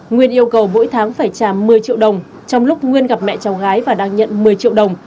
nguyên yêu cầu mỗi tháng phải trả một mươi triệu đồng trong lúc nguyên gặp mẹ cháu gái và đang nhận một mươi triệu đồng